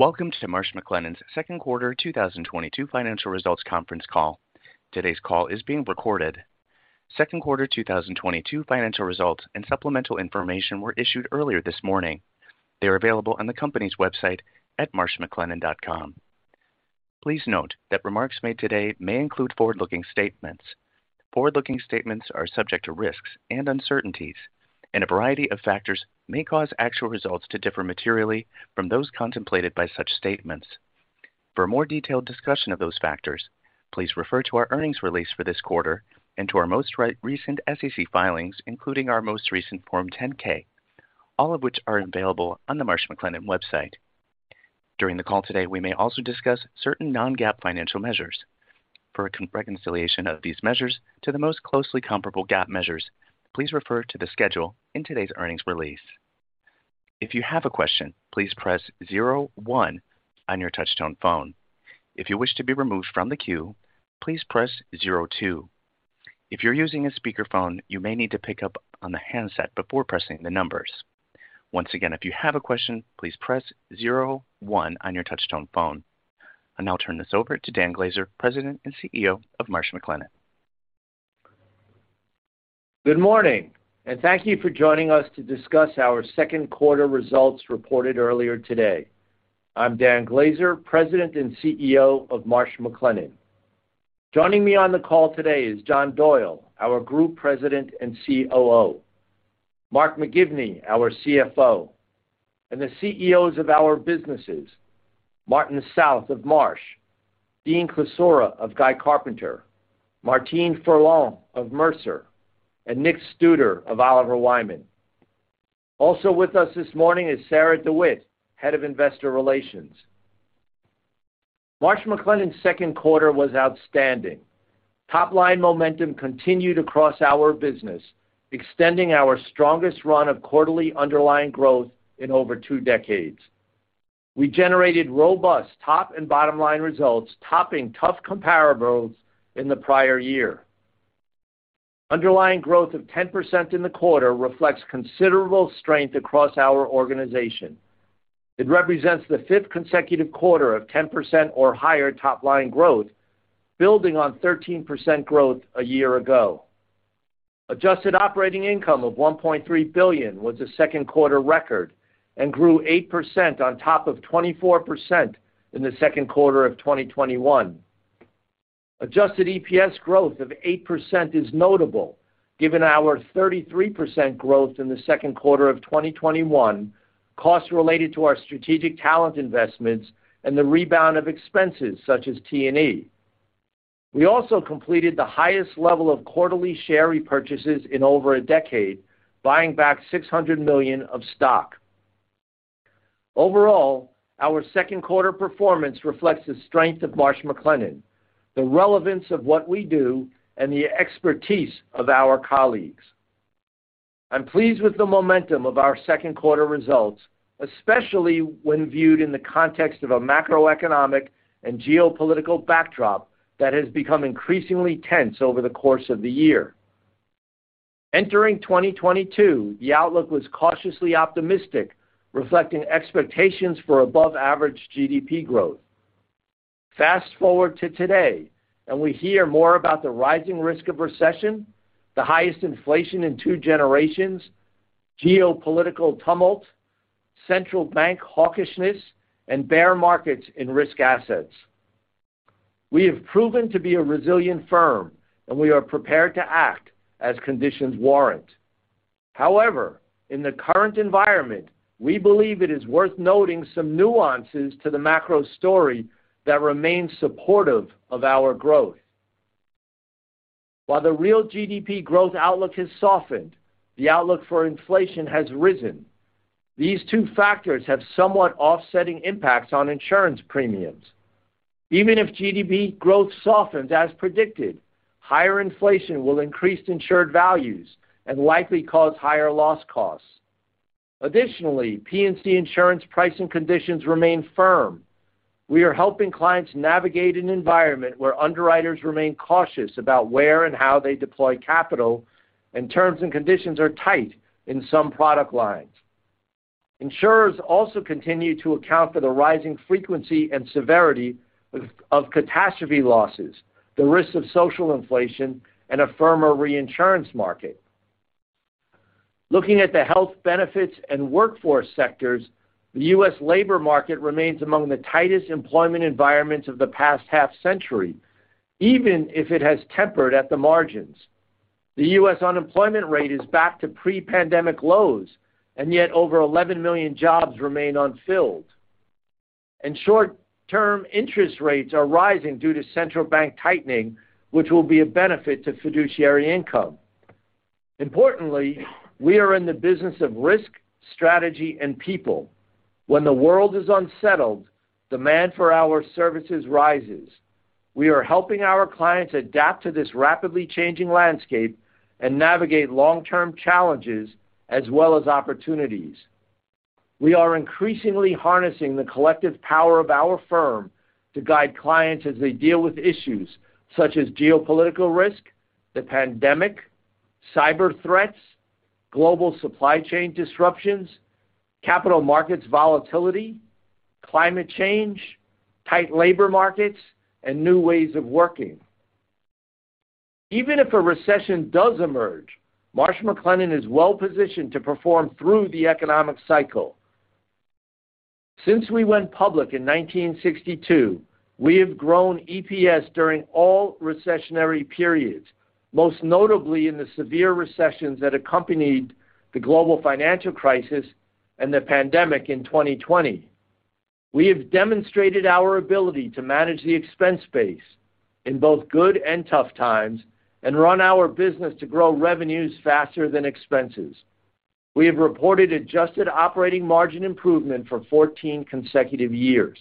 Welcome to Marsh McLennan's Q2 2022 financial results conference call. Today's call is being recorded. Q2 2022 financial results and supplemental information were issued earlier this morning. They're available on the company's website at marshmclennan.com. Please note that remarks made today may include forward-looking statements. Forward-looking statements are subject to risks and uncertainties, and a variety of factors may cause actual results to differ materially from those contemplated by such statements. For a more detailed discussion of those factors, please refer to our earnings release for this quarter and to our most recent SEC filings, including our most recent Form 10-K, all of which are available on the Marsh McLennan website. During the call today, we may also discuss certain non-GAAP financial measures. For a reconciliation of these measures to the most closely comparable GAAP measures, please refer to the schedule in today's earnings release. If you have a question, please press zero one on your touchtone phone. If you wish to be removed from the queue, please press zero two. If you're using a speakerphone, you may need to pick up on the handset before pressing the numbers. Once again, if you have a question, please press zero one on your touchtone phone. I'll now turn this over to Dan Glaser, President and CEO of Marsh McLennan. Good morning, and thank you for joining us to discuss our second quarter results reported earlier today. I'm Dan Glaser, President and CEO of Marsh McLennan. Joining me on the call today is John Doyle, our Group President and COO, Mark McGivney, our CFO, and the CEOs of our businesses, Martin South of Marsh, Dean Klisura of Guy Carpenter, Martine Ferland of Mercer, and Nick Studer of Oliver Wyman. Also with us this morning is Sarah DeWitt, head of investor relations. Marsh McLennan's second quarter was outstanding. Top-line momentum continued across our business, extending our strongest run of quarterly underlying growth in over two decades. We generated robust top and bottom line results, topping tough comparables in the prior year. Underlying growth of 10% in the quarter reflects considerable strength across our organization. It represents the fifth consecutive quarter of 10% or higher top-line growth, building on 13% growth a year ago. Adjusted operating income of $1.3 billion was a second quarter record and grew 8% on top of 24% in the second quarter of 2021. Adjusted EPS growth of 8% is notable given our 33% growth in the second quarter of 2021, costs related to our strategic talent investments, and the rebound of expenses such as T&E. We also completed the highest level of quarterly share repurchases in over a decade, buying back $600 million of stock. Overall, our second quarter performance reflects the strength of Marsh McLennan, the relevance of what we do, and the expertise of our colleagues. I'm pleased with the momentum of our second quarter results, especially when viewed in the context of a macroeconomic and geopolitical backdrop that has become increasingly tense over the course of the year. Entering 2022, the outlook was cautiously optimistic, reflecting expectations for above average GDP growth. Fast-forward to today, and we hear more about the rising risk of recession, the highest inflation in two generations, geopolitical tumult, central bank hawkishness, and bear markets in risk assets. We have proven to be a resilient firm, and we are prepared to act as conditions warrant. However, in the current environment, we believe it is worth noting some nuances to the macro story that remains supportive of our growth. While the real GDP growth outlook has softened, the outlook for inflation has risen. These two factors have somewhat offsetting impacts on insurance premiums. Even if GDP growth softens as predicted, higher inflation will increase insured values and likely cause higher loss costs. Additionally, P&C insurance pricing conditions remain firm. We are helping clients navigate an environment where underwriters remain cautious about where and how they deploy capital, and terms and conditions are tight in some product lines. Insurers also continue to account for the rising frequency and severity of catastrophe losses, the risk of social inflation, and a firmer reinsurance market. Looking at the health benefits and workforce sectors, the U.S. labor market remains among the tightest employment environments of the past half-century, even if it has tempered at the margins. The U.S. unemployment rate is back to pre-pandemic lows, and yet over 11 million jobs remain unfilled. Short-term interest rates are rising due to central bank tightening, which will be a benefit to fiduciary income. Importantly, we are in the business of risk, strategy, and people. When the world is unsettled, demand for our services rises. We are helping our clients adapt to this rapidly changing landscape and navigate long-term challenges as well as opportunities. We are increasingly harnessing the collective power of our firm to guide clients as they deal with issues such as geopolitical risk, the pandemic, cyber threats, global supply chain disruptions, capital markets volatility, climate change, tight labor markets, and new ways of working. Even if a recession does emerge, Marsh McLennan is well-positioned to perform through the economic cycle. Since we went public in 1962, we have grown EPS during all recessionary periods, most notably in the severe recessions that accompanied the global financial crisis and the pandemic in 2020. We have demonstrated our ability to manage the expense base in both good and tough times and run our business to grow revenues faster than expenses. We have reported adjusted operating margin improvement for 14th consecutive years.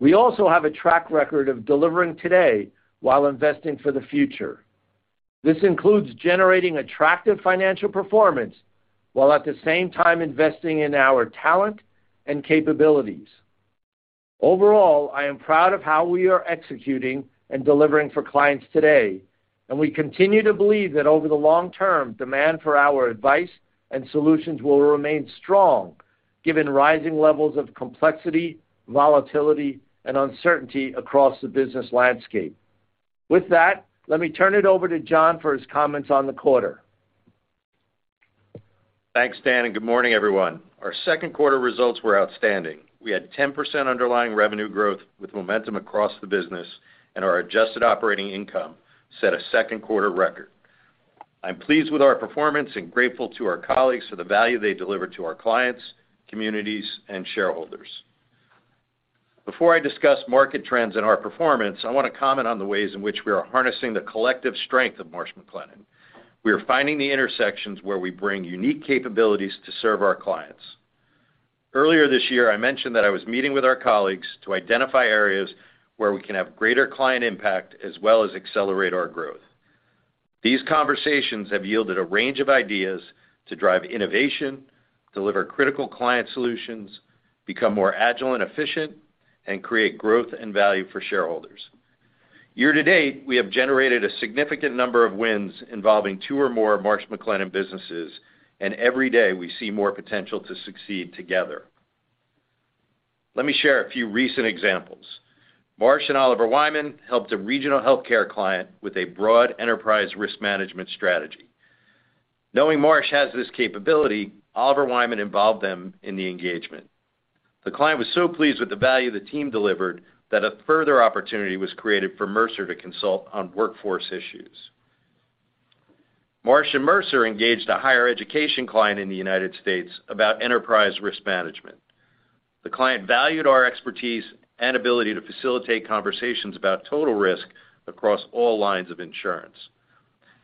We also have a track record of delivering today while investing for the future. This includes generating attractive financial performance while at the same time investing in our talent and capabilities. Overall, I am proud of how we are executing and delivering for clients today, and we continue to believe that over the long term, demand for our advice and solutions will remain strong given rising levels of complexity, volatility, and uncertainty across the business landscape. With that, let me turn it over to John for his comments on the quarter. Thanks, Dan, and good morning, everyone. Our second quarter results were outstanding. We had 10% underlying revenue growth with momentum across the business and our adjusted operating income set a second quarter record. I'm pleased with our performance and grateful to our colleagues for the value they delivered to our clients, communities, and shareholders. Before I discuss market trends and our performance, I want to comment on the ways in which we are harnessing the collective strength of Marsh McLennan. We are finding the intersections where we bring unique capabilities to serve our clients. Earlier this year, I mentioned that I was meeting with our colleagues to identify areas where we can have greater client impact as well as accelerate our growth. These conversations have yielded a range of ideas to drive innovation, deliver critical client solutions, become more agile and efficient, and create growth and value for shareholders. Year to date, we have generated a significant number of wins involving two or more Marsh McLennan businesses, and every day we see more potential to succeed together. Let me share a few recent examples. Marsh and Oliver Wyman helped a regional healthcare client with a broad enterprise risk management strategy. Knowing Marsh has this capability, Oliver Wyman involved them in the engagement. The client was so pleased with the value the team delivered that a further opportunity was created for Mercer to consult on workforce issues. Marsh and Mercer engaged a higher education client in the United States about enterprise risk management. The client valued our expertise and ability to facilitate conversations about total risk across all lines of insurance.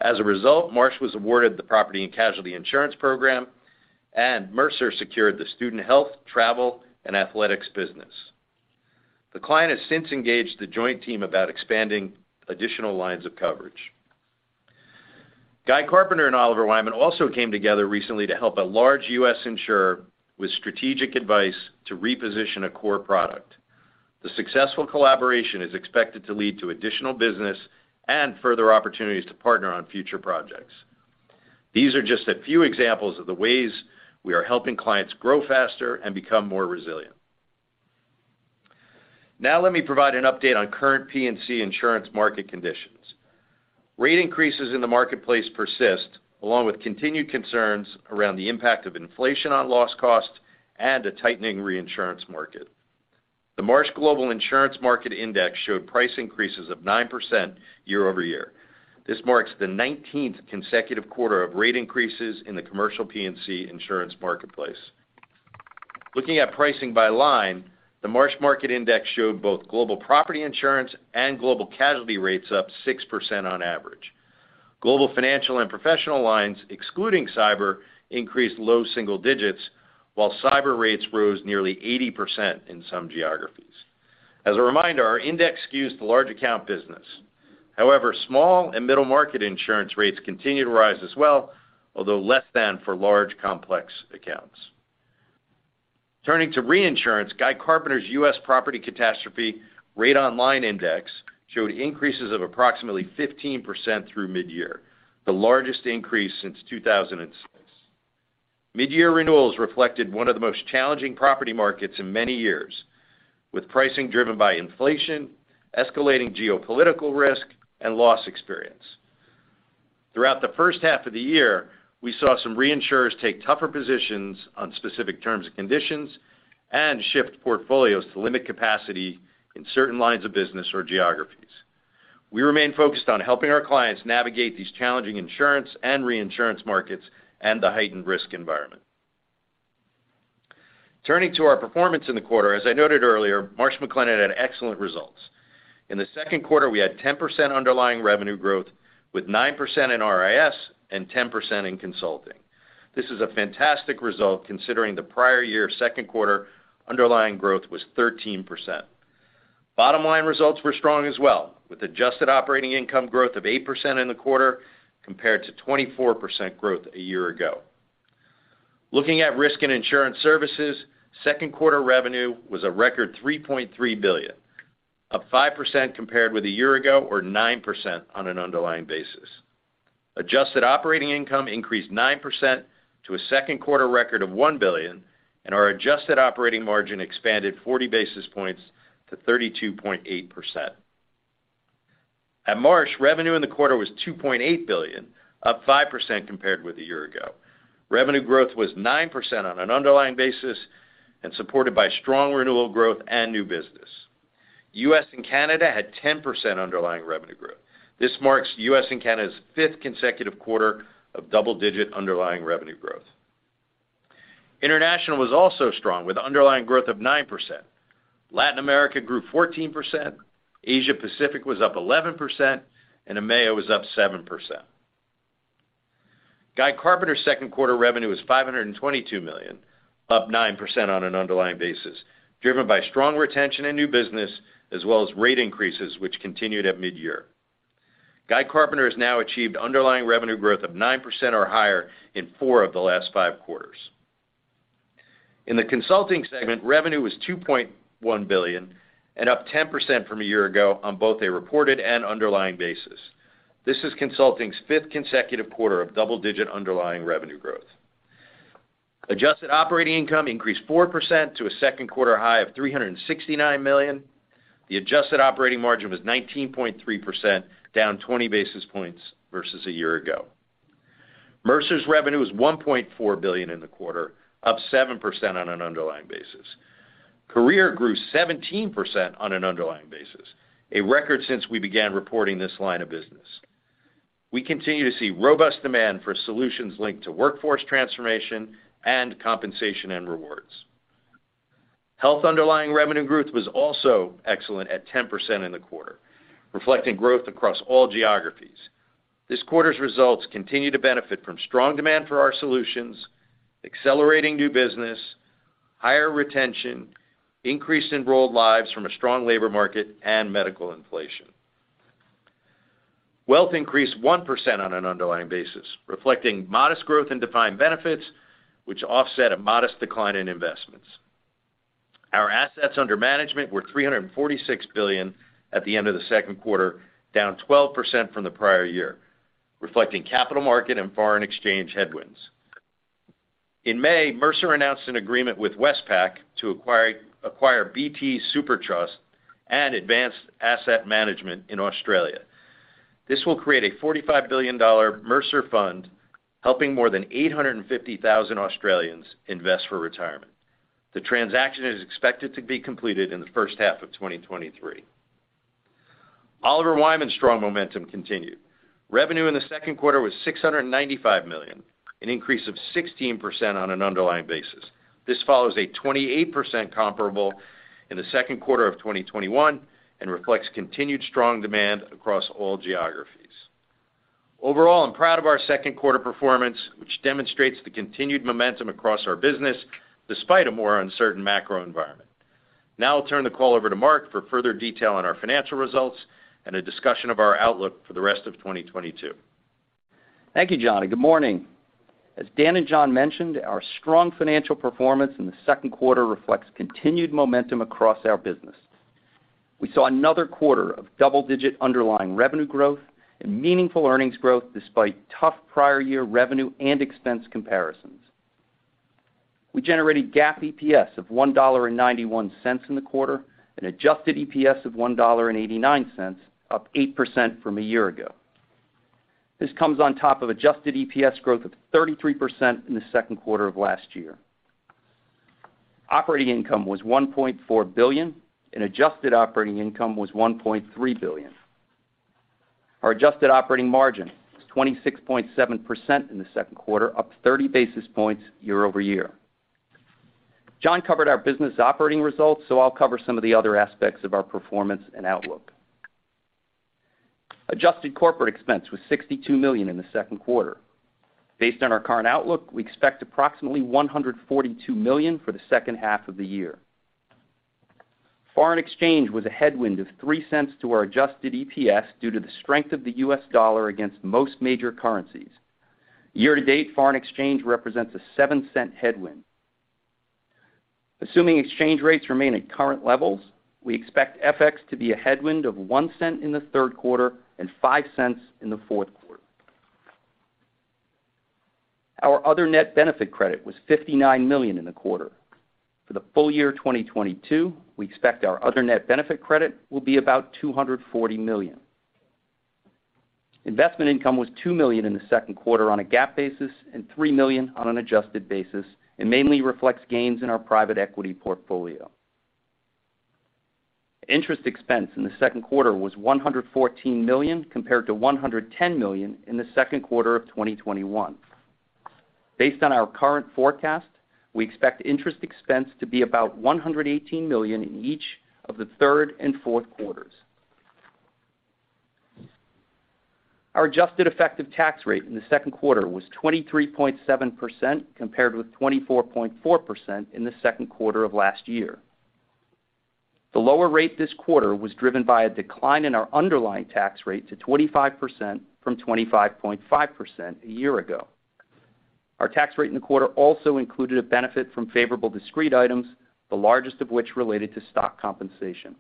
As a result, Marsh was awarded the property and casualty insurance program, and Mercer secured the student health, travel, and athletics business. The client has since engaged the joint team about expanding additional lines of coverage. Guy Carpenter and Oliver Wyman also came together recently to help a large U.S. insurer with strategic advice to reposition a core product. The successful collaboration is expected to lead to additional business and further opportunities to partner on future projects. These are just a few examples of the ways we are helping clients grow faster and become more resilient. Now let me provide an update on current P&C insurance market conditions. Rate increases in the marketplace persist, along with continued concerns around the impact of inflation on loss cost and a tightening reinsurance market. The Marsh Global Insurance Market Index showed price increases of 9% year-over-year. This marks the 19th consecutive quarter of rate increases in the commercial P&C insurance marketplace. Looking at pricing by line, the Marsh Global Insurance Market Index showed both global property insurance and global casualty rates up 6% on average. Global financial and professional lines, excluding cyber, increased low single digits, while cyber rates rose nearly 80% in some geographies. As a reminder, our index skews the large account business. However, small and middle market insurance rates continue to rise as well, although less than for large complex accounts. Turning to reinsurance, Guy Carpenter's U.S. Property Catastrophe Rate on Line Index showed increases of approximately 15% through mid-year, the largest increase since 2006. Mid-year renewals reflected one of the most challenging property markets in many years, with pricing driven by inflation, escalating geopolitical risk, and loss experience. Throughout the first half of the year, we saw some reinsurers take tougher positions on specific terms and conditions and shift portfolios to limit capacity in certain lines of business or geographies. We remain focused on helping our clients navigate these challenging insurance and reinsurance markets and the heightened risk environment. Turning to our performance in the quarter, as I noted earlier, Marsh McLennan had excellent results. In the second quarter, we had 10% underlying revenue growth, with 9% in RIS and 10% in consulting. This is a fantastic result considering the prior year second quarter underlying growth was 13%. Bottom line results were strong as well, with adjusted operating income growth of 8% in the quarter compared to 24% growth a year ago. Looking at risk and insurance services, second quarter revenue was a record $3.3 billion, up 5% compared with a year ago, or 9% on an underlying basis. Adjusted operating income increased 9% to a second quarter record of $1 billion, and our adjusted operating margin expanded 40 basis points to 32.8%. At Marsh, revenue in the quarter was $2.8 billion, up 5% compared with a year ago. Revenue growth was 9% on an underlying basis and supported by strong renewal growth and new business. U.S. and Canada had 10% underlying revenue growth. This marks U.S. and Canada's fifth consecutive quarter of double-digit underlying revenue growth. International was also strong, with underlying growth of 9%. Latin America grew 14%, Asia Pacific was up 11%, and EMEA was up 7%. Guy Carpenter's second quarter revenue was $522 million, up 9% on an underlying basis, driven by strong retention in new business as well as rate increases which continued at midyear. Guy Carpenter has now achieved underlying revenue growth of 9% or higher in four of the last five quarters. In the consulting segment, revenue was $2.1 billion and up 10% from a year ago on both a reported and underlying basis. This is consulting's fifth consecutive quarter of double-digit underlying revenue growth. Adjusted operating income increased 4% to a second quarter high of $369 million. The adjusted operating margin was 19.3%, down 20 basis points versus a year ago. Mercer's revenue was $1.4 billion in the quarter, up 7% on an underlying basis. Career grew 17% on an underlying basis, a record since we began reporting this line of business. We continue to see robust demand for solutions linked to workforce transformation and compensation and rewards. Health underlying revenue growth was also excellent at 10% in the quarter, reflecting growth across all geographies. This quarter's results continue to benefit from strong demand for our solutions, accelerating new business, higher retention, increased enrolled lives from a strong labor market, and medical inflation. Wealth increased 1% on an underlying basis, reflecting modest growth in defined benefits, which offset a modest decline in investments. Our assets under management were $346 billion at the end of the second quarter, down 12% from the prior year, reflecting capital market and foreign exchange headwinds. In May, Mercer announced an agreement with Westpac to acquire BT Super and Advance Asset Management in Australia. This will create a $45 billion Mercer fund, helping more than 850,000 Australians invest for retirement. The transaction is expected to be completed in the first half of 2023. Oliver Wyman's strong momentum continued. Revenue in the second quarter was $695 million, an increase of 16% on an underlying basis. This follows a 28% comparable in the second quarter of 2021 and reflects continued strong demand across all geographies. Overall, I'm proud of our second quarter performance, which demonstrates the continued momentum across our business despite a more uncertain macro environment. Now I'll turn the call over to Mark for further detail on our financial results and a discussion of our outlook for the rest of 2022. Thank you, John. Good morning. As Dan and John mentioned, our strong financial performance in the second quarter reflects continued momentum across our business. We saw another quarter of double-digit underlying revenue growth and meaningful earnings growth despite tough prior year revenue and expense comparisons. We generated GAAP EPS of $1.91 in the quarter and adjusted EPS of $1.89, up 8% from a year ago. This comes on top of adjusted EPS growth of 33% in the second quarter of last year. Operating income was $1.4 billion, and adjusted operating income was $1.3 billion. Our adjusted operating margin was 26.7% in the second quarter, up 30 basis points year-over-year. John covered our business operating results, so I'll cover some of the other aspects of our performance and outlook. Adjusted corporate expense was $62 million in the second quarter. Based on our current outlook, we expect approximately $142 million for the second half of the year. Foreign exchange was a headwind of $0.03 to our adjusted EPS due to the strength of the U.S. dollar against most major currencies. Year to date, foreign exchange represents a $0.07 headwind. Assuming exchange rates remain at current levels, we expect FX to be a headwind of $0.01 in the third quarter and $0.05 in the fourth quarter. Our other net benefit credit was $59 million in the quarter. For the full year 2022, we expect our other net benefit credit will be about $240 million. Investment income was $2 million in the second quarter on a GAAP basis and $3 million on an adjusted basis, and mainly reflects gains in our private equity portfolio. Interest expense in the second quarter was $114 million compared to $110 million in the second quarter of 2021. Based on our current forecast, we expect interest expense to be about $118 million in each of the third and fourth quarters. Our adjusted effective tax rate in the second quarter was 23.7%, compared with 24.4% in the second quarter of last year. The lower rate this quarter was driven by a decline in our underlying tax rate to 25% from 25.5% a year ago. Our tax rate in the quarter also included a benefit from favorable discrete items, the largest of which related to stock compensation.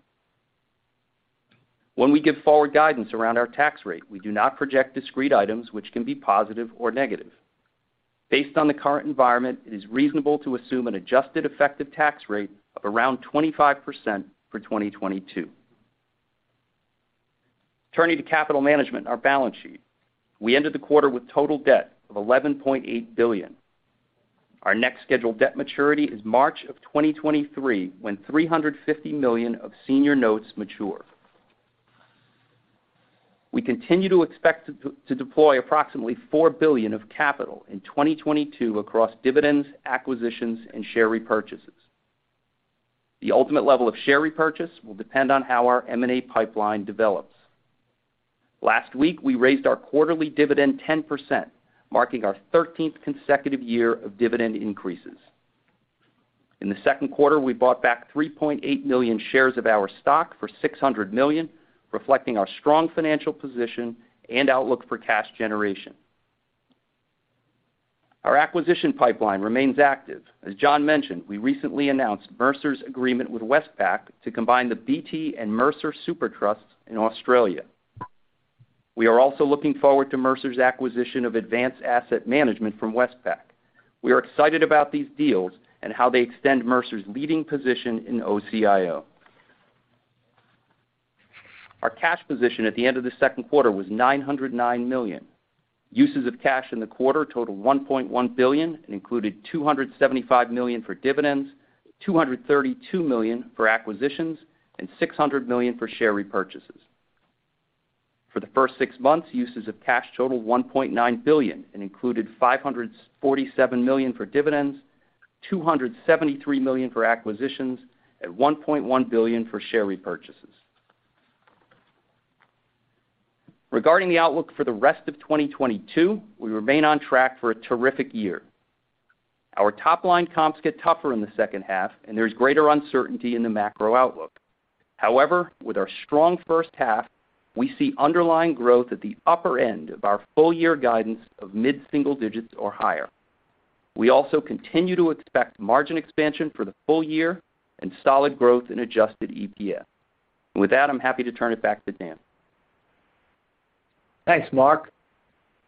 When we give forward guidance around our tax rate, we do not project discrete items which can be positive or negative. Based on the current environment, it is reasonable to assume an adjusted effective tax rate of around 25% for 2022. Turning to capital management, our balance sheet. We ended the quarter with total debt of $11.8 billion. Our next scheduled debt maturity is March of 2023, when $350 million of senior notes mature. We continue to expect to deploy approximately $4 billion of capital in 2022 across dividends, acquisitions, and share repurchases. The ultimate level of share repurchase will depend on how our M&A pipeline develops. Last week, we raised our quarterly dividend 10%, marking our 13th consecutive year of dividend increases. In the second quarter, we bought back 3.8 million shares of our stock for $600 million, reflecting our strong financial position and outlook for cash generation. Our acquisition pipeline remains active. As John mentioned, we recently announced Mercer's agreement with Westpac to combine the BT and Mercer super trusts in Australia. We are also looking forward to Mercer's acquisition of Advance Asset Management from Westpac. We are excited about these deals and how they extend Mercer's leading position in OCIO. Our cash position at the end of the second quarter was $909 million. Uses of cash in the quarter totaled $1.1 billion and included $275 million for dividends, $232 million for acquisitions, and $600 million for share repurchases. For the first six months, uses of cash totaled $1.9 billion and included $547 million for dividends, $273 million for acquisitions, and $1.1 billion for share repurchases. Regarding the outlook for the rest of 2022, we remain on track for a terrific year. Our top line comps get tougher in the second half, and there's greater uncertainty in the macro outlook. However, with our strong first half, we see underlying growth at the upper end of our full year guidance of mid-single digits or higher. We also continue to expect margin expansion for the full year and solid growth in adjusted EPS. With that, I'm happy to turn it back to Dan. Thanks, Mark.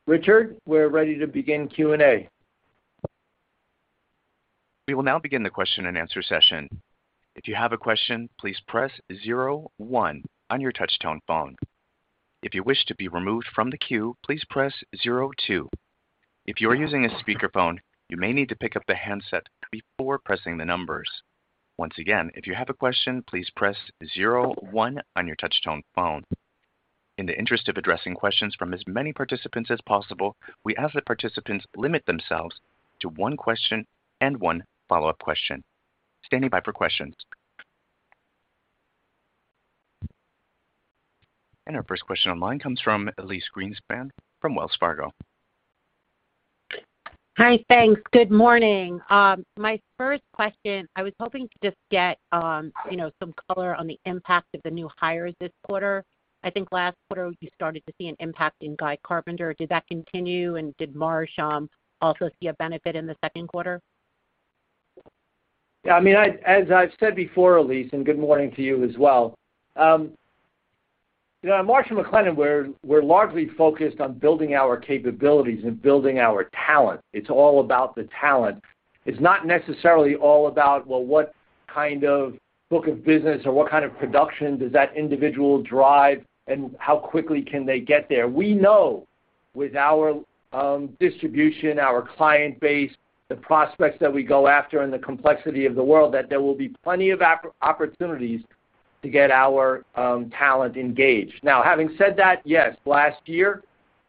Richard, we're ready to begin Q&A. We will now begin the question-and-answer session. If you have a question, please press zero one on your touchtone phone. If you wish to be removed from the queue, please press zero two. If you are using a speakerphone, you may need to pick up the handset before pressing the numbers. Once again, if you have a question, please press zero one on your touchtone phone. In the interest of addressing questions from as many participants as possible, we ask that participants limit themselves to one question and one follow-up question. Standing by for questions. Our first question online comes from Elyse Greenspan from Wells Fargo. Hi, thanks. Good morning. My first question, I was hoping to just get, you know, some color on the impact of the new hires this quarter. I think last quarter you started to see an impact in Guy Carpenter. Did that continue, and did Marsh also see a benefit in the second quarter? Yeah, I mean, as I've said before, Elyse, and good morning to you as well. You know, at Marsh McLennan, we're largely focused on building our capabilities and building our talent. It's all about the talent. It's not necessarily all about, well, what kind of book of business or what kind of production does that individual drive, and how quickly can they get there. We know with our distribution, our client base, the prospects that we go after and the complexity of the world, that there will be plenty of opportunities to get our talent engaged. Now, having said that, yes, last year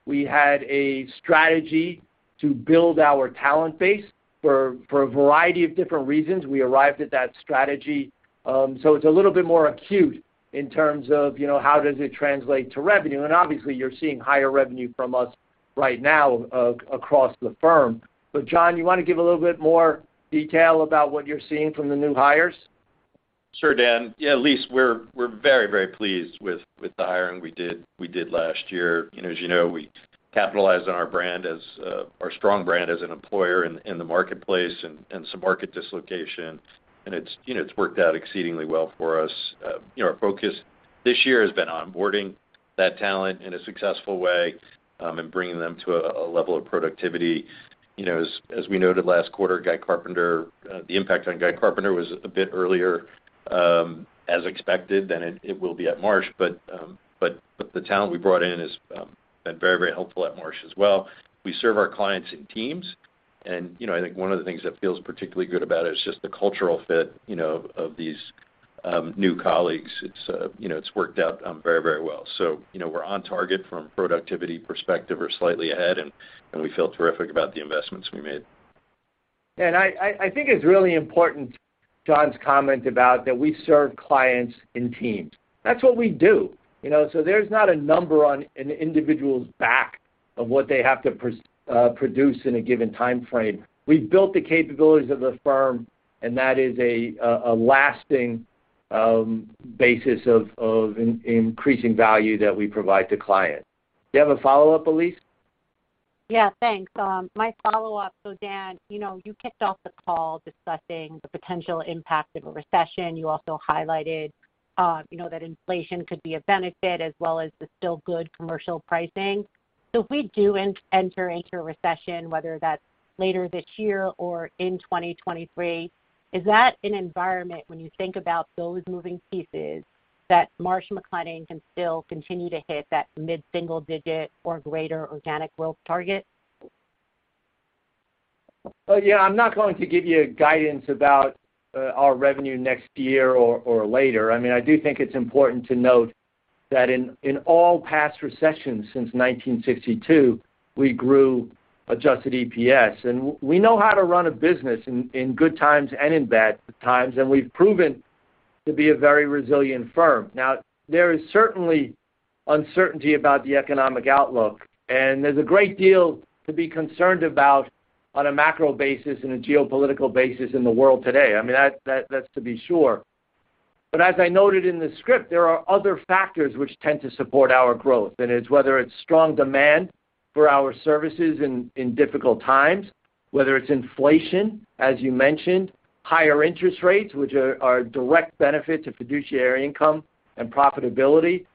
we had a strategy to build our talent base. For a variety of different reasons, we arrived at that strategy. It's a little bit more acute in terms of, you know, how does it translate to revenue? Obviously you're seeing higher revenue from us right now across the firm. John, you want to give a little bit more detail about what you're seeing from the new hires? Sure, Dan. Yeah, Elyse, we're very pleased with the hiring we did last year. You know, as you know, we capitalized on our brand as our strong brand as an employer in the marketplace and some market dislocation. You know, it's worked out exceedingly well for us. You know, our focus this year has been onboarding that talent in a successful way and bringing them to a level of productivity. You know, as we noted last quarter, Guy Carpenter, the impact on Guy Carpenter was a bit earlier as expected than it will be at Marsh. The talent we brought in has been very helpful at Marsh as well. We serve our clients in teams, and you know, I think one of the things that feels particularly good about it is just the cultural fit, you know, of these new colleagues. It's, you know, it's worked out very, very well. You know, we're on target from a productivity perspective or slightly ahead, and we feel terrific about the investments we made. I think it's really important, John's comment about that we serve clients in teams. That's what we do, you know? There's not a number on an individual's back of what they have to produce in a given time frame. We've built the capabilities of the firm, and that is a lasting basis of increasing value that we provide to clients. Do you have a follow-up, Elyse? Yeah. Thanks. My follow-up. Dan, you know, you kicked off the call discussing the potential impact of a recession. You also highlighted, you know, that inflation could be a benefit as well as the still good commercial pricing. If we do enter into a recession, whether that's later this year or in 2023, is that an environment when you think about those moving pieces that Marsh McLennan can still continue to hit that mid-single digit or greater organic growth target? Well, yeah, I'm not going to give you guidance about our revenue next year or later. I mean, I do think it's important to note that in all past recessions since 1962, we grew adjusted EPS. We know how to run a business in good times and in bad times, and we've proven to be a very resilient firm. Now, there is certainly uncertainty about the economic outlook, and there's a great deal to be concerned about on a macro basis and a geopolitical basis in the world today. I mean, that's to be sure. As I noted in the script, there are other factors which tend to support our growth. It's whether it's strong demand for our services in difficult times, whether it's inflation, as you mentioned, higher interest rates, which are a direct benefit to fiduciary income and profitability.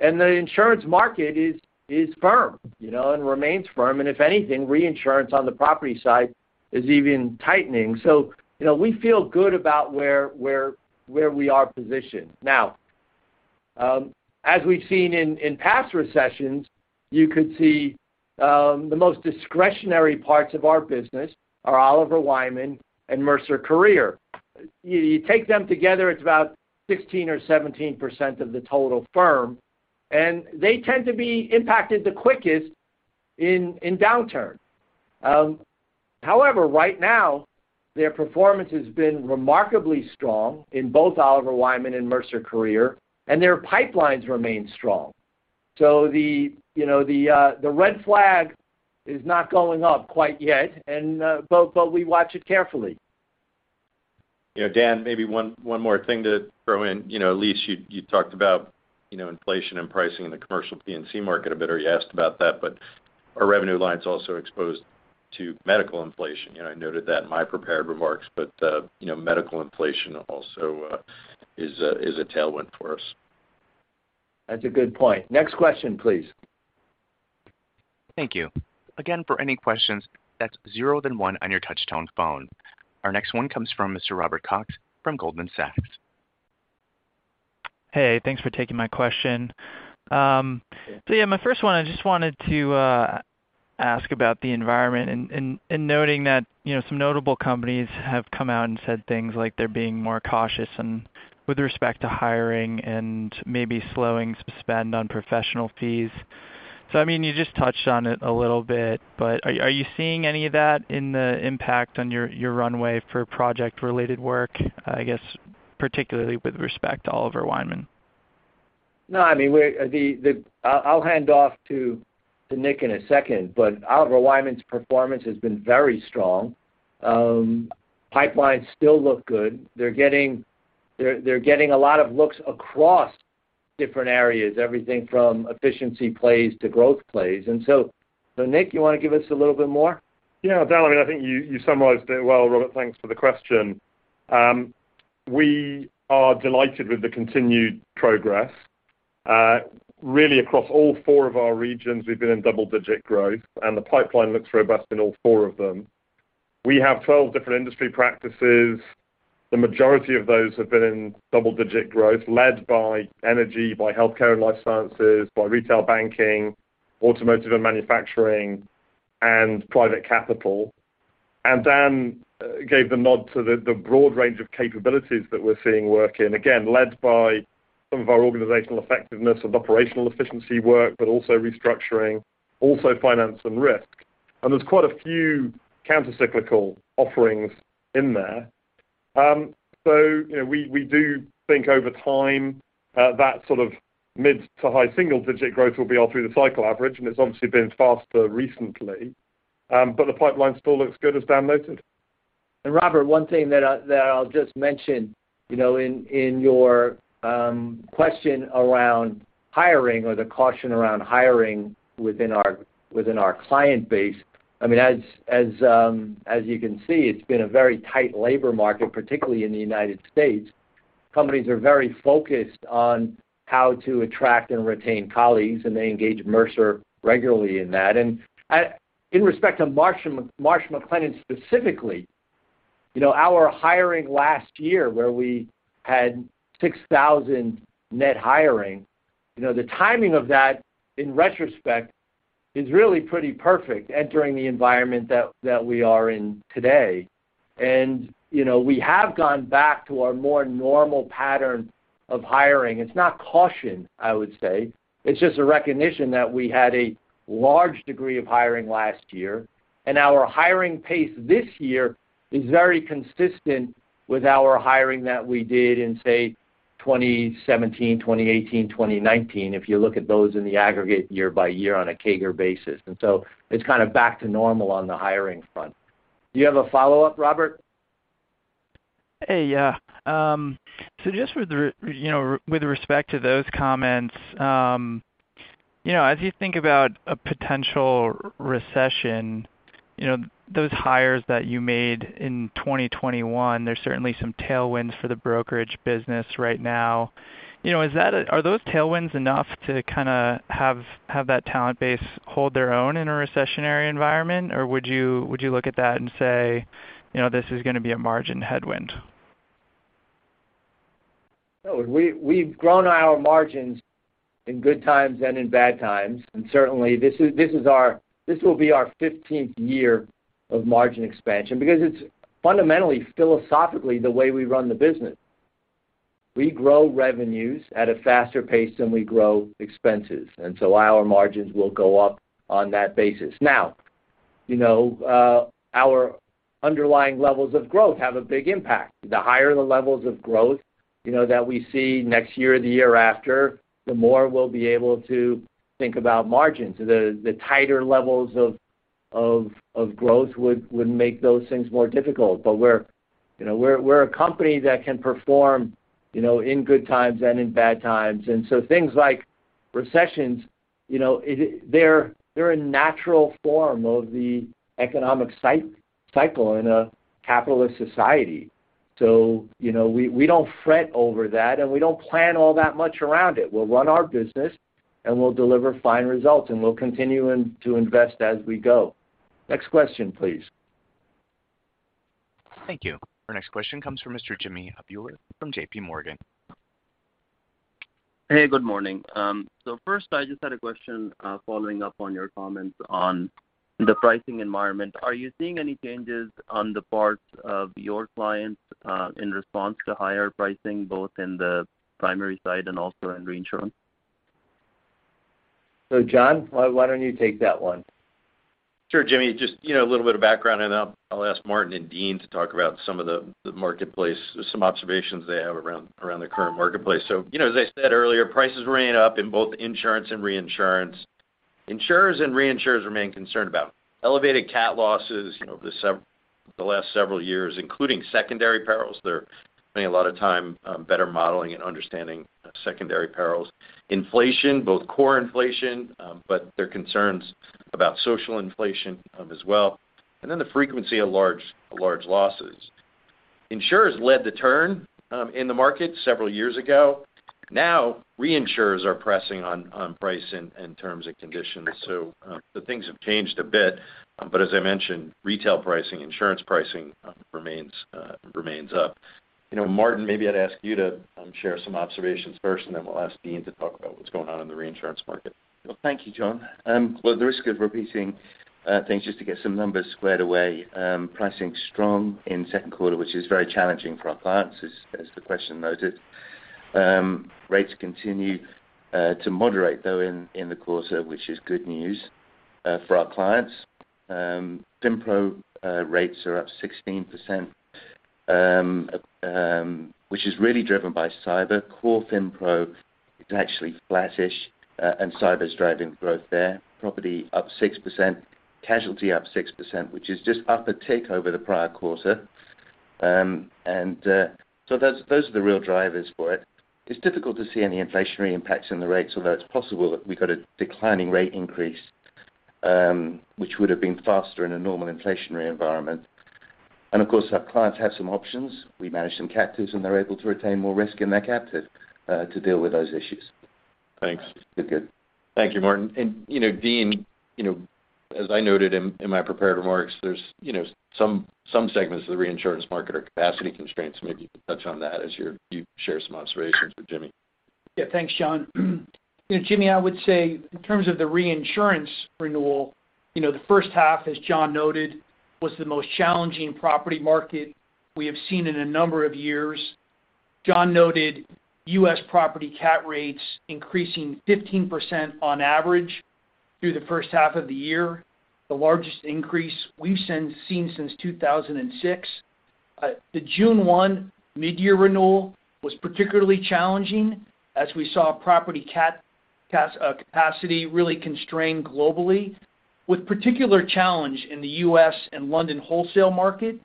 The insurance market is firm, you know, and remains firm. If anything, reinsurance on the property side is even tightening. You know, we feel good about where we are positioned. Now, as we've seen in past recessions, you could see the most discretionary parts of our business are Oliver Wyman and Mercer Career. You take them together, it's about 15% or 17% of the total firm, and they tend to be impacted the quickest in downturn. However, right now, their performance has been remarkably strong in both Oliver Wyman and Mercer Career, and their pipelines remain strong. You know, the red flag is not going up quite yet, but we watch it carefully. You know, Dan, maybe one more thing to throw in. You know, Elyse, you talked about, you know, inflation and pricing in the commercial P&C market a bit, or you asked about that, but our revenue line's also exposed to medical inflation. You know, I noted that in my prepared remarks, but you know, medical inflation also is a tailwind for us. That's a good point. Next question, please. Thank you. Again, for any questions, that's zero, then one on your touch-tone phone. Our next one comes from Mr. Robert Cox from Goldman Sachs. Hey. Thanks for taking my question. Yeah, my first one, I just wanted to ask about the environment and noting that, you know, some notable companies have come out and said things like they're being more cautious and with respect to hiring and maybe slowing some spend on professional fees. I mean, you just touched on it a little bit, but are you seeing any of that in the impact on your runway for project-related work, I guess particularly with respect to Oliver Wyman? No, I mean, I'll hand off to Nick in a second, but Oliver Wyman's performance has been very strong. Pipelines still look good. They're getting a lot of looks across different areas, everything from efficiency plays to growth plays. Nick, you wanna give us a little bit more? Yeah. Dan, I mean, I think you summarized it well, Robert. Thanks for the question. We are delighted with the continued progress. Really across all four of our regions, we've been in double-digit growth, and the pipeline looks robust in all four of them. We have 12 different industry practices. The majority of those have been in double-digit growth led by energy, by healthcare and life sciences, by retail banking, automotive and manufacturing, and private capital. Dan gave the nod to the broad range of capabilities that we're seeing work in, again, led by some of our organizational effectiveness of operational efficiency work, but also restructuring, also finance and risk. There's quite a few countercyclical offerings in there. You know, we do think over time, that sort of mid to high single digit growth will be all through the cycle average, and it's obviously been faster recently. The pipeline still looks good as Dan noted. Robert, one thing that I'll just mention, you know, in your question around hiring or the caution around hiring within our client base, I mean, as you can see, it's been a very tight labor market, particularly in the United States. Companies are very focused on how to attract and retain colleagues, and they engage Mercer regularly in that. In respect to Marsh and Marsh McLennan specifically, you know, our hiring last year where we had 6,000 net hiring, you know, the timing of that in retrospect is really pretty perfect entering the environment that we are in today. You know, we have gone back to our more normal pattern of hiring. It's not caution, I would say. It's just a recognition that we had a large degree of hiring last year, and our hiring pace this year is very consistent with our hiring that we did in, say 2017, 2018, 2019, if you look at those in the aggregate year by year on a CAGR basis. It's kind of back to normal on the hiring front. Do you have a follow-up, Robert? With respect to those comments, you know, as you think about a potential recession, you know, those hires that you made in 2021, there's certainly some tailwinds for the brokerage business right now. You know, are those tailwinds enough to kinda have that talent base hold their own in a recessionary environment? Or would you look at that and say, you know, this is gonna be a margin headwind? No, we've grown our margins in good times and in bad times. Certainly, this will be our 15th year of margin expansion because it's fundamentally, philosophically the way we run the business. We grow revenues at a faster pace than we grow expenses, and so our margins will go up on that basis. Now, you know, our underlying levels of growth have a big impact. The higher the levels of growth, you know, that we see next year or the year after, the more we'll be able to think about margins. The tighter levels of growth would make those things more difficult. We're, you know, we're a company that can perform, you know, in good times and in bad times. Things like recessions, you know, they're a natural form of the economic cycle in a capitalist society. You know, we don't fret over that, and we don't plan all that much around it. We'll run our business, and we'll deliver fine results, and we'll continue to invest as we go. Next question, please. Thank you. Our next question comes from Mr. Jimmy Bhullar from JPMorgan. Hey, good morning. First, I just had a question, following up on your comments on the pricing environment. Are you seeing any changes on the part of your clients, in response to higher pricing, both in the primary side and also in reinsurance? John, why don't you take that one? Sure, Jimmy Bhullar. Just, you know, a little bit of background, and then I'll ask Martin South and Dean Klisura to talk about some of the marketplace, some observations they have around the current marketplace. You know, as I said earlier, prices ran up in both insurance and reinsurance. Insurers and reinsurers remain concerned about elevated cat losses, you know, the last several years, including secondary perils. They're spending a lot of time better modeling and understanding secondary perils. Inflation, both core inflation, but there are concerns about social inflation as well. The frequency of large losses. Insurers led the turn in the market several years ago. Now, reinsurers are pressing on price and terms and conditions. The things have changed a bit, but as I mentioned, retail pricing, insurance pricing remains up. You know, Martin, maybe I'd ask you to share some observations first, and then we'll ask Dean to talk about what's going on in the reinsurance market. Well, thank you, John. Well, the risk of repeating things just to get some numbers squared away, pricing strong in second quarter, which is very challenging for our clients, as the question noted. Rates continue to moderate, though, in the quarter, which is good news for our clients. FINPRO rates are up 16%, which is really driven by cyber. Core FINPRO is actually flattish, and cyber is driving growth there. Property up 6%, casualty up 6%, which is just up a tick over the prior quarter. Those are the real drivers for it. It's difficult to see any inflationary impacts in the rates, although it's possible that we got a declining rate increase, which would have been faster in a normal inflationary environment. Of course, our clients have some options. We manage some captives, and they're able to retain more risk in their captive, to deal with those issues. Thanks. Good, good. Thank you, Martin. You know, Dean, you know, as I noted in my prepared remarks, there's you know, some segments of the reinsurance market are capacity constraints. Maybe you can touch on that as you share some observations with Jimmy. Yeah. Thanks, John. You know, Jimmy, I would say in terms of the reinsurance renewal, you know, the first half, as John noted, was the most challenging property market we have seen in a number of years. John noted U.S. property cat rates increasing 15% on average through the first half of the year, the largest increase we've seen since 2006. The June 1 mid-year renewal was particularly challenging as we saw property cat capacity really constrained globally with particular challenge in the U.S. and London wholesale market.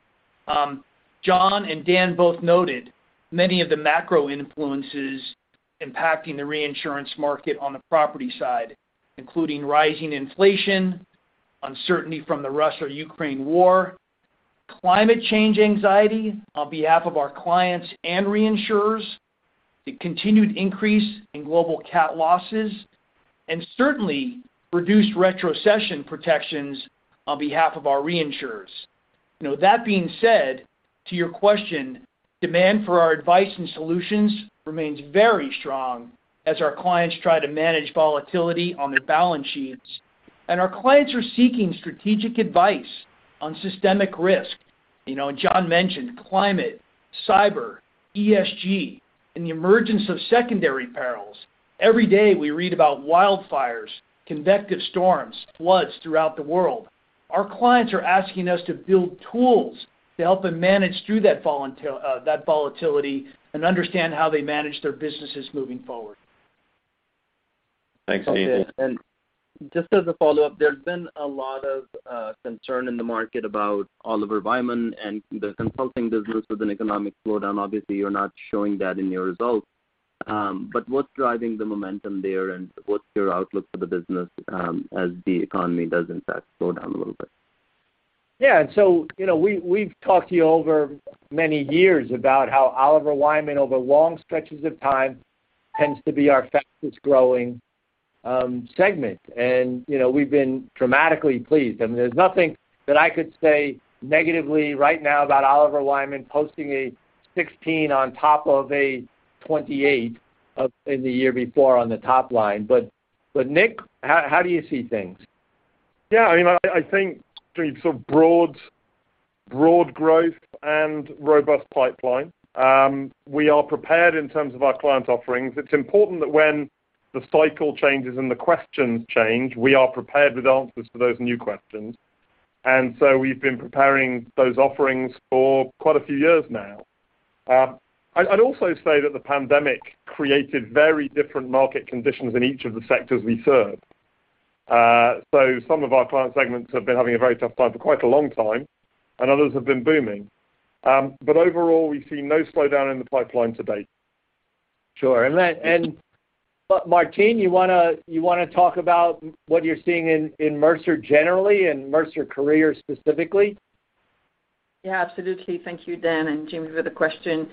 John and Dan both noted many of the macro influences impacting the reinsurance market on the property side, including rising inflation, uncertainty from the Russia-Ukraine war, climate change anxiety on behalf of our clients and reinsurers, the continued increase in global cat losses, and certainly reduced retrocession protections on behalf of our reinsurers. You know, that being said, to your question, demand for our advice and solutions remains very strong as our clients try to manage volatility on their balance sheets, and our clients are seeking strategic advice on systemic risk. You know, John mentioned climate, cyber, ESG, and the emergence of secondary perils. Every day we read about wildfires, convective storms, floods throughout the world. Our clients are asking us to build tools to help them manage through that volatility and understand how they manage their businesses moving forward. Thanks, Dean. Just as a follow-up, there's been a lot of concern in the market about Oliver Wyman and the consulting business with an economic slowdown. Obviously, you're not showing that in your results. But what's driving the momentum there, and what's your outlook for the business, as the economy does in fact slow down a little bit? Yeah. You know, we've talked to you over many years about how Oliver Wyman, over long stretches of time, tends to be our fastest-growing segment. You know, we've been dramatically pleased. I mean, there's nothing that I could say negatively right now about Oliver Wyman posting a 16% on top of a 28% in the year before on the top line. Nick, how do you see things? Yeah, I mean, I think sort of broad growth and robust pipeline. We are prepared in terms of our client offerings. It's important that when the cycle changes and the questions change, we are prepared with answers to those new questions. We've been preparing those offerings for quite a few years now. I'd also say that the pandemic created very different market conditions in each of the sectors we serve. So some of our client segments have been having a very tough time for quite a long time, and others have been booming. Overall, we've seen no slowdown in the pipeline to date. Sure. Martine, you wanna talk about what you're seeing in Mercer generally and Mercer Career specifically? Yeah, absolutely. Thank you, Dan and Jim, for the question.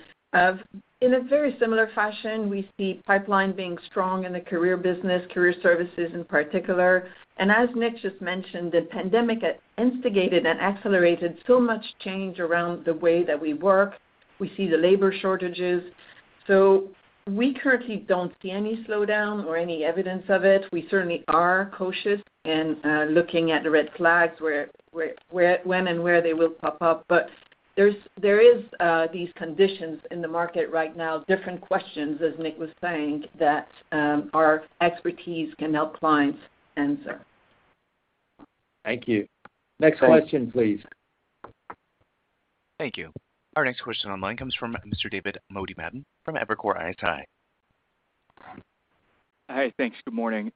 In a very similar fashion, we see pipeline being strong in the career business, career services in particular. As Nick just mentioned, the pandemic has instigated and accelerated so much change around the way that we work. We see the labor shortages. We currently don't see any slowdown or any evidence of it. We certainly are cautious and looking at the red flags when and where they will pop up. There are these conditions in the market right now, different questions, as Nick was saying, that our expertise can help clients answer. Thank you. Next question, please. Thank you. Our next question online comes from Mr. David Motemaden from Evercore ISI. Hi. Thanks. Good morning.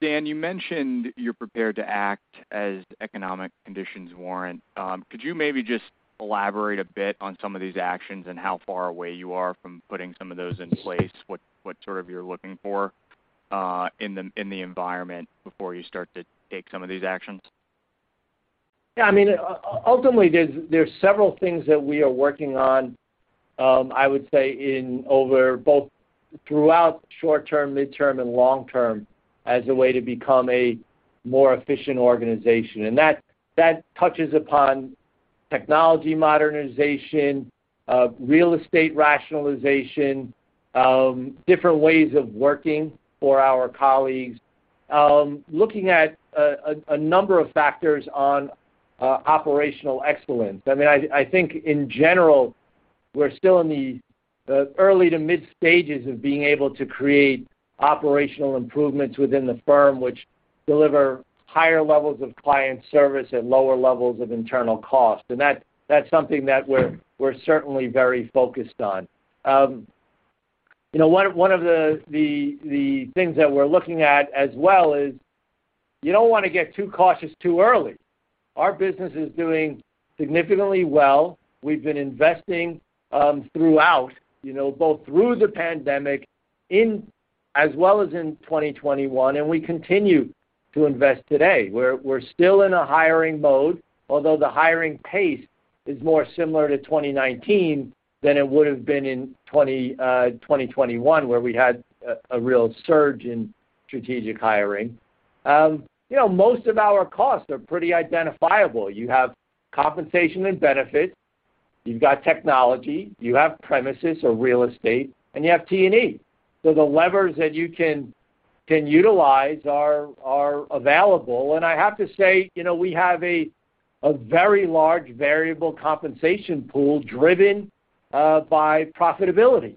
Dan, you mentioned you're prepared to act as economic conditions warrant. Could you maybe just elaborate a bit on some of these actions and how far away you are from putting some of those in place? What sort of you're looking for in the environment before you start to take some of these actions? Yeah, I mean, ultimately, there's several things that we are working on. I would say over both short-term, midterm, and long-term as a way to become a more efficient organization. That touches upon technology modernization, real estate rationalization, different ways of working for our colleagues, looking at a number of factors on operational excellence. I mean, I think in general, we're still in the early to mid-stages of being able to create operational improvements within the firm which deliver higher levels of client service at lower levels of internal cost. That's something that we're certainly very focused on. You know, one of the things that we're looking at as well is you don't wanna get too cautious too early. Our business is doing significantly well. We've been investing throughout, you know, both through the pandemic in, as well as in 2021, and we continue to invest today. We're still in a hiring mode, although the hiring pace is more similar to 2019 than it would have been in 2021, where we had a real surge in strategic hiring. You know, most of our costs are pretty identifiable. You have compensation and benefits, you've got technology, you have premises or real estate, and you have T&E. So the levers that you can utilize are available. I have to say, you know, we have a very large variable compensation pool driven by profitability.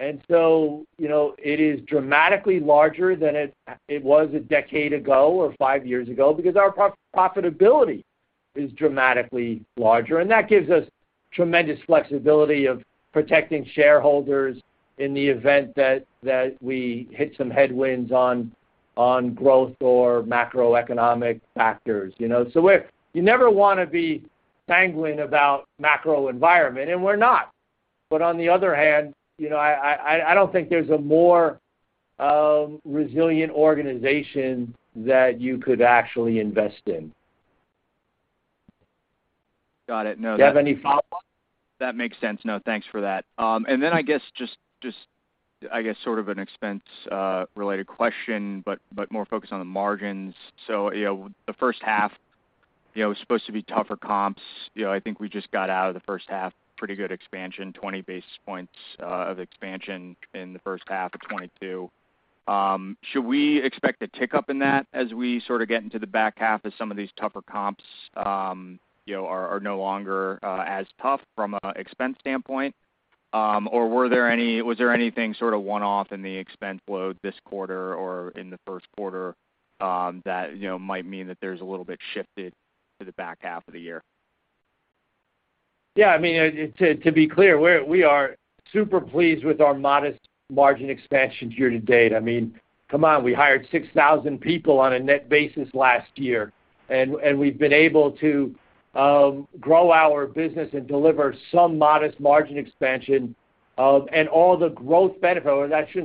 You know, it is dramatically larger than it was a decade ago or five years ago because our profitability is dramatically larger, and that gives us tremendous flexibility in protecting shareholders in the event that we hit some headwinds on growth or macroeconomic factors, you know? We're not. You never wanna be down about the macro environment, and we're not. On the other hand, you know, I don't think there's a more resilient organization that you could actually invest in. Got it. Do you have any follow-up? That makes sense. No, thanks for that. I guess just an expense related question, but more focused on the margins. You know, the first half is supposed to be tougher comps. You know, I think we just got out of the first half, pretty good expansion, 20 basis points of expansion in the first half of 2022. Should we expect a tick up in that as we sort of get into the back half as some of these tougher comps are no longer as tough from an expense standpoint? Or was there anything sort of one-off in the expense load this quarter or in the first quarter that might mean that there's a little bit shifted to the back half of the year? Yeah. I mean, to be clear, we are super pleased with our modest margin expansion year to date. I mean, come on, we hired 6,000 people on a net basis last year, and we've been able to grow our business and deliver some modest margin expansion. I shouldn't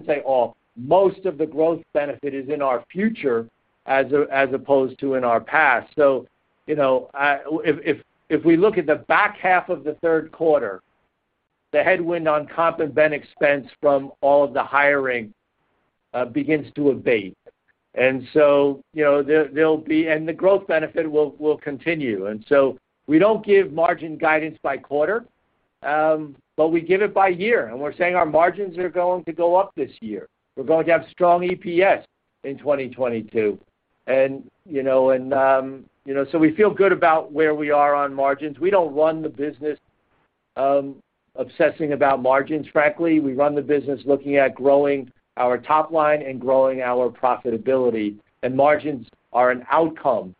say all, most of the growth benefit is in our future as opposed to in our past. You know, if we look at the back half of the third quarter, the headwind on comp and ben expense from all of the hiring begins to abate. You know, the growth benefit will continue. We don't give margin guidance by quarter, but we give it by year. We're saying our margins are going to go up this year. We're going to have strong EPS in 2022. We feel good about where we are on margins. We don't run the business obsessing about margins, frankly. We run the business looking at growing our top line and growing our profitability, and margins are an outcome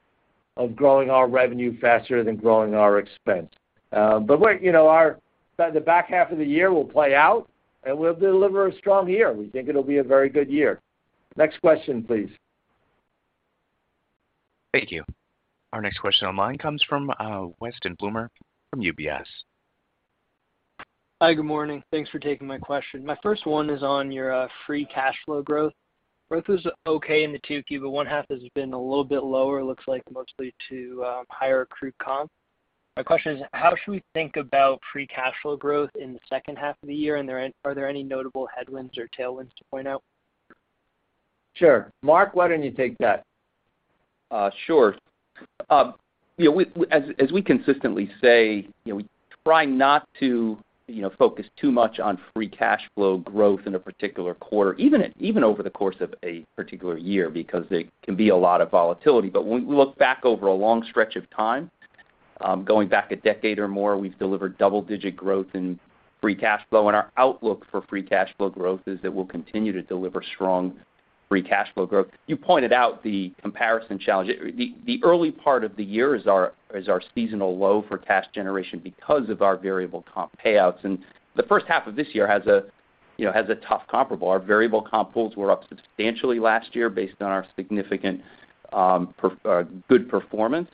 of growing our revenue faster than growing our expense. The back half of the year will play out, and we'll deliver a strong year. We think it'll be a very good year. Next question, please. Thank you. Our next question online comes from Weston Bloomer from UBS. Hi, good morning. Thanks for taking my question. My first one is on your free cash flow growth. Growth was okay in the 2Q, but 1H has been a little bit lower, looks like mostly due to higher accrued comp. My question is: How should we think about free cash flow growth in the second half of the year, and are there any notable headwinds or tailwinds to point out? Sure. Mark, why don't you take that? Sure. You know, we, as we consistently say, you know, we try not to, you know, focus too much on free cash flow growth in a particular quarter, even at, even over the course of a particular year, because there can be a lot of volatility. But when we look back over a long stretch of time, going back a decade or more, we've delivered double-digit growth in free cash flow, and our outlook for free cash flow growth is that we'll continue to deliver strong free cash flow growth. You pointed out the comparison challenge. The early part of the year is our seasonal low for cash generation because of our variable comp payouts. The first half of this year has a tough comparable. Our variable comp pools were up substantially last year based on our significant pretty good performance.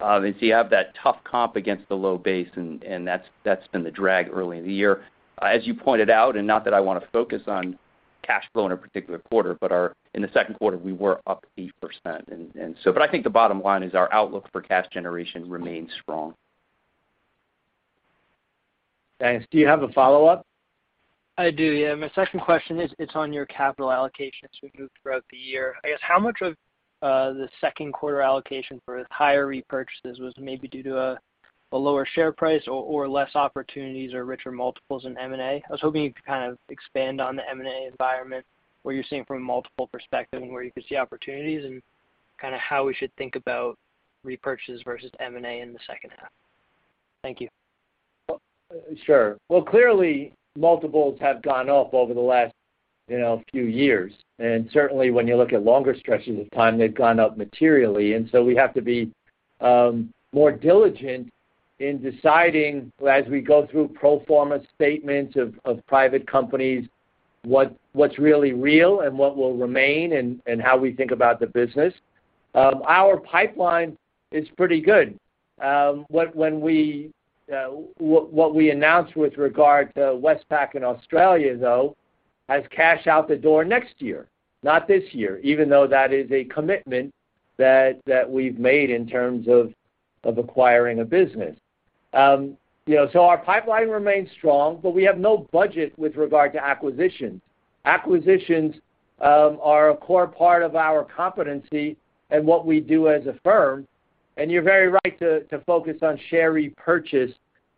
You have that tough comp against the low base, and that's been the drag early in the year. As you pointed out, and not that I want to focus on cash flow in a particular quarter, but in the second quarter, we were up 8%. But I think the bottom line is our outlook for cash generation remains strong. Thanks. Do you have a follow-up? I do, yeah. My second question is, it's on your capital allocations as we move throughout the year. I guess how much of the second quarter allocation for higher repurchases was maybe due to a lower share price or less opportunities or richer multiples in M&A? I was hoping you could kind of expand on the M&A environment, where you're seeing from a multiple perspective and where you could see opportunities and kind of how we should think about repurchases versus M&A in the second half. Thank you. Sure. Well, clearly, multiples have gone up over the last, you know, few years. Certainly when you look at longer stretches of time, they've gone up materially. We have to be more diligent in deciding, as we go through pro forma statements of private companies, what's really real and what will remain and how we think about the business. Our pipeline is pretty good. When we announced with regard to Westpac in Australia, though, as cash out the door next year, not this year, even though that is a commitment that we've made in terms of acquiring a business. You know, our pipeline remains strong, but we have no budget with regard to acquisitions. Acquisitions are a core part of our competency and what we do as a firm. You're very right to focus on share repurchase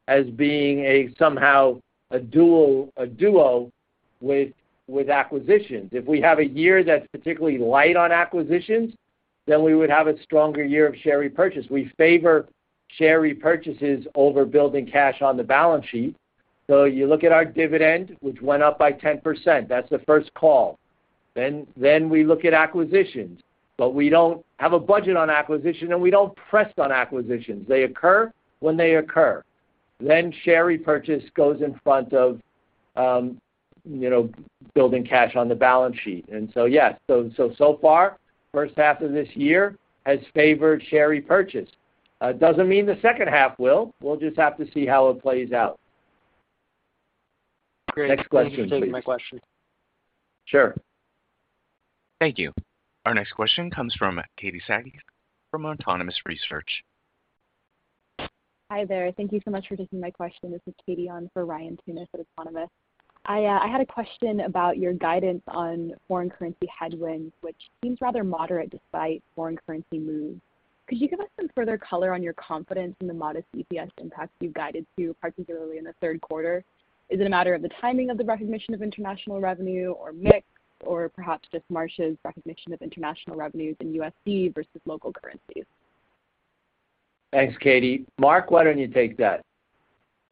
as being somehow a duo with acquisitions. If we have a year that's particularly light on acquisitions, then we would have a stronger year of share repurchase. We favor share repurchases over building cash on the balance sheet. You look at our dividend, which went up by 10%. That's the first call. We look at acquisitions. We don't have a budget on acquisition, and we don't press on acquisitions. They occur when they occur. Share repurchase goes in front of, you know, building cash on the balance sheet. Yes. So far, first half of this year has favored share repurchase. Doesn't mean the second half will. We'll just have to see how it plays out. Great. Next question, please. Thank you for taking my question. Sure. Thank you. Our next question comes from Katie Sakys from Autonomous Research. Hi there. Thank you so much for taking my question. This is Katie on for Ryan Tunis at Autonomous. I had a question about your guidance on foreign currency headwinds, which seems rather moderate despite foreign currency moves. Could you give us some further color on your confidence in the modest EPS impacts you've guided to, particularly in the third quarter? Is it a matter of the timing of the recognition of international revenue or mix or perhaps just Marsh's recognition of international revenues in USD versus local currencies? Thanks, Katie. Mark, why don't you take that?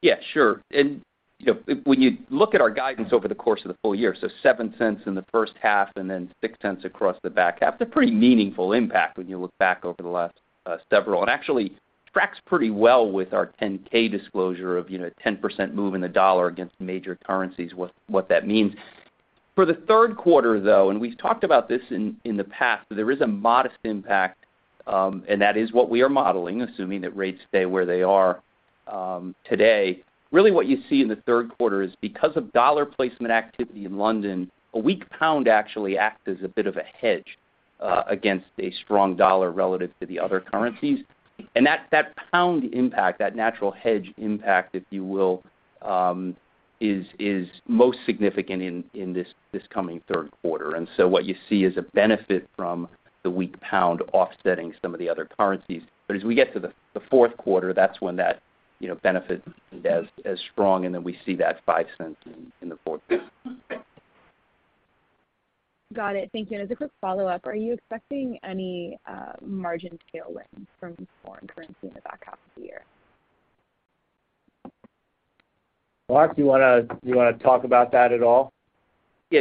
Yeah, sure. You know, when you look at our guidance over the course of the full year, so $0.07 in the first half and then $0.06 across the back half, it's a pretty meaningful impact when you look back over the last several. Actually tracks pretty well with our 10-K disclosure of, you know, 10% move in the dollar against major currencies, what that means. For the third quarter, though, we've talked about this in the past, but there is a modest impact, and that is what we are modeling, assuming that rates stay where they are today. Really what you see in the third quarter is because of dollar placement activity in London, a weak pound actually acts as a bit of a hedge against a strong dollar relative to the other currencies. That pound impact, that natural hedge impact, if you will, is most significant in this coming third quarter. What you see is a benefit from the weak pound offsetting some of the other currencies. But as we get to the fourth quarter, that's when that benefit isn't as strong, and then we see that $0.05 in the fourth quarter. Got it. Thank you. As a quick follow-up, are you expecting any margin tailwinds from foreign currency in the back half of the year? Mark, do you wanna talk about that at all? Yeah,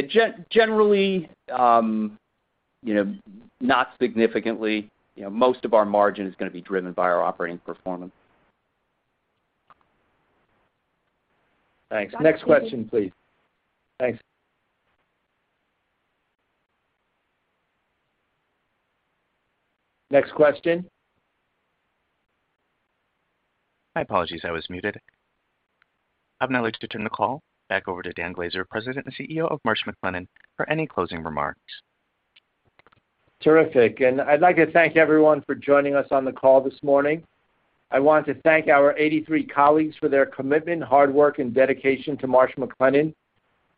generally, you know, not significantly. You know, most of our margin is gonna be driven by our operating performance. Thanks. Next question, please. Thanks. Next question. My apologies, I was muted. I'd now like to turn the call back over to Dan Glaser, President and CEO of Marsh McLennan, for any closing remarks. Terrific. I'd like to thank everyone for joining us on the call this morning. I want to thank our 83 colleagues for their commitment, hard work, and dedication to Marsh McLennan.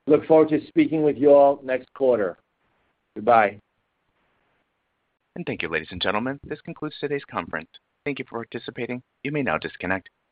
Look forward to speaking with you all next quarter. Goodbye. Thank you, ladies and gentlemen. This concludes today's conference. Thank you for participating. You may now disconnect.